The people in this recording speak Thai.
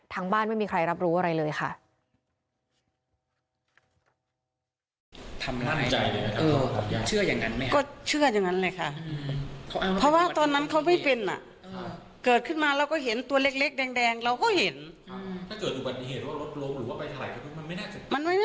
ทางบ้านไม่มีใครรับรู้อะไรเลยค่ะ